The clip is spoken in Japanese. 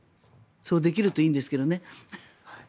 そうできるといいんですけどね。